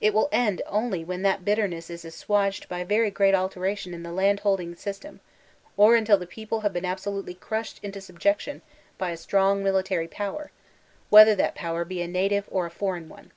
It will end only when that bitterness is assuaged by very great alteration in the land holding system, or until the people have been abso lutely crushed into subjection by a strong military power, whether that power be a native or a foreign one.